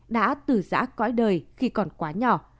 đã tử giã cõi đời khi còn quá nhỏ